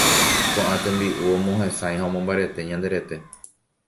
Koʼã tembiʼu omohesãi ha omombarete ñande rete.